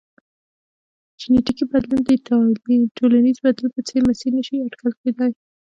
جنیټیکي بدلون د ټولنیز بدلون په څېر مسیر نه شي اټکل کېدای.